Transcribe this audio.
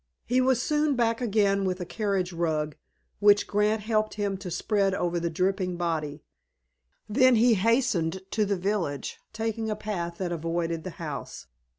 He was soon back again with a carriage rug, which Grant helped him to spread over the dripping body. Then he hastened to the village, taking a path that avoided the house.